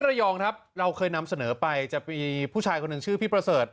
ระยองครับเราเคยนำเสนอไปจะมีผู้ชายคนหนึ่งชื่อพี่ประเสริฐ